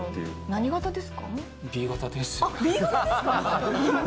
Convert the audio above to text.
何型ですか。